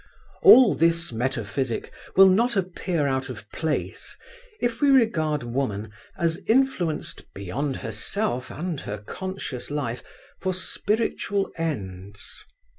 All this metaphysic will not appear out of place if we regard women as influenced beyond herself and her conscious life for spiritual ends.